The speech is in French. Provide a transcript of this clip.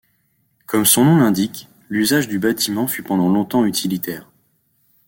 Comme son nom l’indique, l’usage du bâtiment fut pendant longtemps utilitaire.